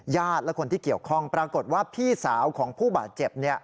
และคนที่เกี่ยวข้องปรากฏว่าพี่สาวของผู้บาดเจ็บ